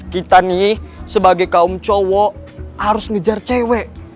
kita nih sebagai kaum cowok harus ngejar cewek